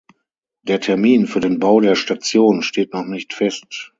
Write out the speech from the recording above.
Der Termin für den Bau der Station steht noch nicht fest.